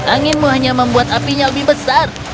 anginmu hanya membuat apinya lebih besar